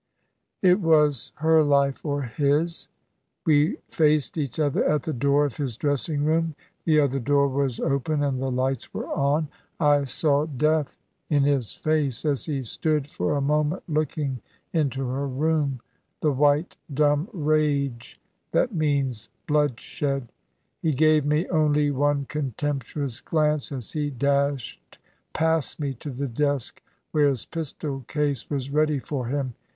"It was her life or his. We faced each other at the door of his dressing room. The other door was open and the lights were on. I saw death in his face as he stood for a moment looking into her room, the white, dumb rage that means bloodshed. He gave me only one contemptuous glance as he dashed past me to the desk where his pistol case was ready for him.